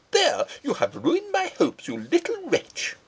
"There, you have ruined my hopes, you little wretch!"